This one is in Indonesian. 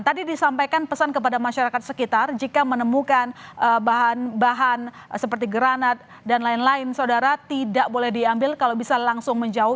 tadi disampaikan pesan kepada masyarakat sekitar jika menemukan bahan bahan seperti granat dan lain lain saudara tidak boleh diambil kalau bisa langsung menjauh